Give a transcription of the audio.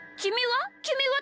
きみは？